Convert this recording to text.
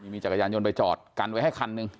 มีจักรยานยนต์ไปจอดกันไว้ให้คันหนึ่ง